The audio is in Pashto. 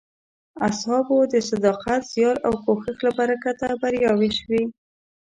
اصحابو د صداقت، زیار او کوښښ له برکته بریاوې شوې.